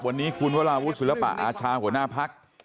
วันนี้คุณวราวุฒิศิลปะอาชาหัวหน้าพัก